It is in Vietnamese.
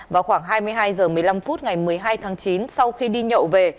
vào khoảng hai mươi hai h một mươi năm phút ngày một mươi hai tháng chín sau khi đi nhậu về